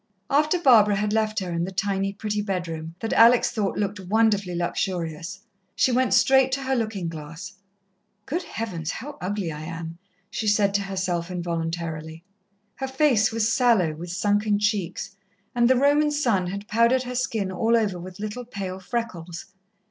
After Barbara had left her in the tiny, pretty bedroom, that Alex thought looked wonderfully luxurious, she went straight to her looking glass. "Good heavens, how ugly I am!" she said to herself involuntarily. Her face was sallow, with sunken cheeks, and the Roman sun had powdered her skin all over with little, pale freckles.